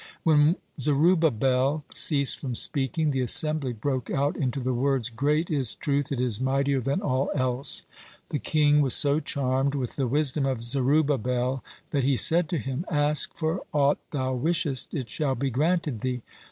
When Zerubbabel ceased from speaking, the assembly broke out into the words: "Great is truth, it is mightier than all else!" The king was so charmed with the wisdom of Zerubbabel that he said to him: "Ask for aught thou wishest, it shall be granted thee."